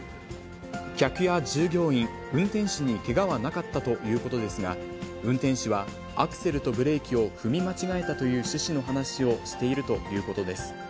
客や従業員、運転手にけがはなかったということですが、運転手はアクセルとブレーキを踏み間違えたという趣旨の話をしているということです。